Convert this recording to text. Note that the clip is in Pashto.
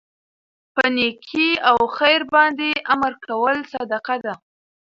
په نيکۍ او خیر باندي امر کول صدقه ده